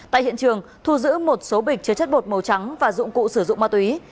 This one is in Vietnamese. tại hiện trường thu giữ một số bịch chứa chất bột màu trắng và dụng cụ sử dụng ma túy